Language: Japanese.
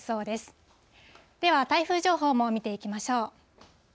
では台風情報も見ていきましょう。